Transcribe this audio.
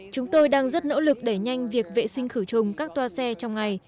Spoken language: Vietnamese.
chúng tôi đang rất nỗ lực để nhanh việc vệ sinh khử trùng các toa xe trong ngày